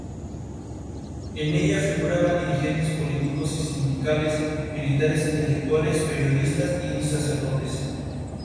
Let the Earth Smile Again!